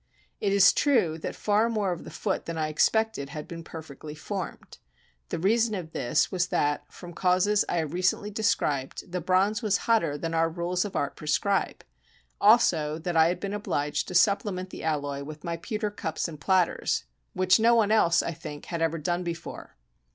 It is true that far more of the foot than I expected had been perfectly formed; the reason of this was that, from causes I have recently described, the bronze was hotter than our rules of art prescribe; also that I had been obliged to supplement the alloy with my pewter cups and platters, which no one else, I think, had ever done before.